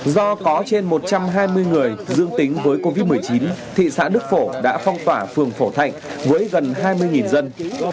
do có trên một trăm hai mươi người dương tính với covid một mươi chín thị xã đức phổ đã phong tỏa phường phổ thạnh với gần hai mươi dân